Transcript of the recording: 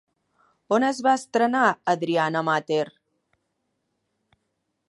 On es va estrenar Adriana Mater?